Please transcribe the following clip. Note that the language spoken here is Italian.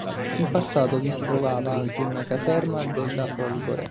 In passato vi si trovava anche una caserma della "Folgore".